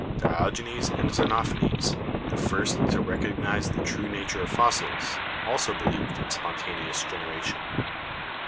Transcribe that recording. Diogenes and Xenophanes, the first to recognise the true nature of fossils, also believed in spontaneous generation.